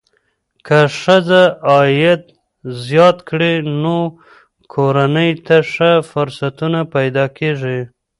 که ښځه عاید زیات کړي، نو کورنۍ ته ښه فرصتونه پیدا کېږي.